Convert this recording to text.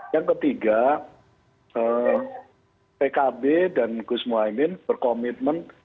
yang ketiga pkb dan gus muhaymin berkomitmen